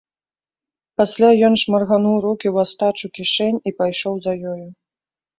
Пасля ён шмаргануў рукі ў астачу кішэнь і пайшоў за ёю.